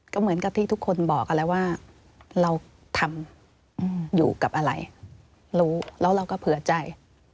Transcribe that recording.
ก็เหมือนกับที่ทุกคนบอกกันแล้วว่าเราทำอยู่กับอะไรรู้แล้วเราก็เผื่อใจ